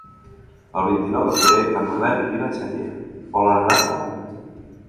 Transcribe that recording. El vint-i-nou de febrer en Manel i na Xènia volen anar a la platja.